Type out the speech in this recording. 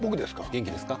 元気ですか？